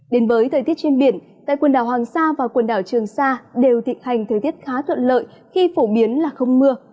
đến với thời tiết trên biển tại quần đảo hoàng sa và quần đảo trường sa đều thịnh hành thời tiết khá thuận lợi khi phổ biến là không mưa